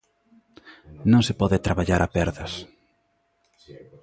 Non se pode traballar a perdas.